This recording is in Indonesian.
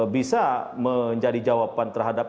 bisa menjadi jawaban terhadap